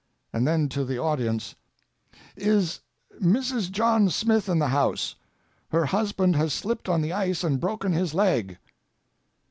And then to the audience: "Is Mrs. John Smith in the house? Her husband has slipped on the ice and broken his leg."